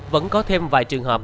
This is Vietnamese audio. vẫn có thêm vài trường hợp